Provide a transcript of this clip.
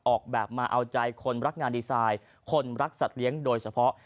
ออกแบบมาเอาใจคนรักงานดีไซน์คนรักสัตว์เลี้ยงโดยเฉพาะ